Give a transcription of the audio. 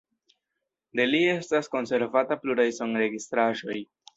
De li estas konservata pluraj sonregistraĵoj.